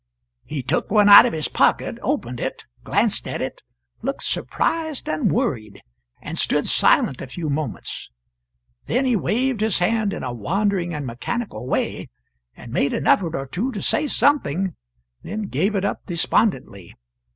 He took one out of his pocket, opened it, glanced at it, looked surprised and worried, and stood silent a few moments. Then he waved his hand in a wandering and mechanical way, and made an effort or two to say something, then gave it up, despondently.